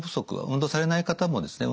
運動されない方もですね